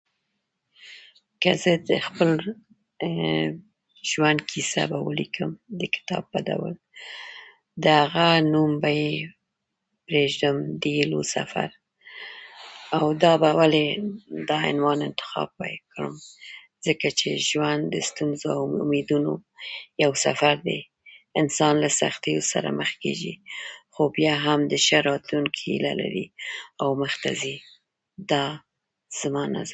که زه د خپل ژوند کیسه به ولیکم د کتاب په ډول د هغه نوم به پریژدم د هیلو سفر او دا به ولې دا عنوان به انتخاب به يې کړم ځکه چې ژوند د ستونزو او امیدونو یو سفر دی انسان له سختيو سره مخ کيږي خو بیا هم د شه راتلونکي هیله لري او مخ ته ځي دا زما نظر